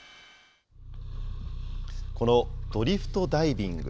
このドリフトダイビング。